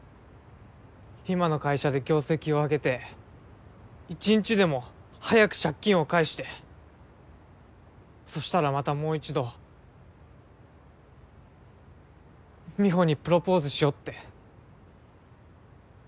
今の会社で業績を上げて一日でも早く借金を返してそしたらまたもう一度美帆にプロポーズしようって。